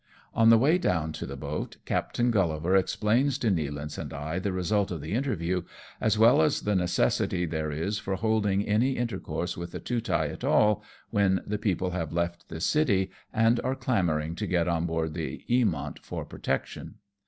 On the way down to the boat, Captain GuUivar ex plains to Nealance and I the result of the interview, as well as the necessity there is for holding any inter course with the Tootai at all, when the people have left the city and are clamouring to get on board the Eamont for protection.